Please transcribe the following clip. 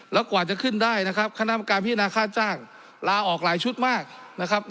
แล้วกว่าจะขึ้นได้นะครับคณะกรรมการพิจารณาค่าจ้างลาออกหลายชุดมากนะครับ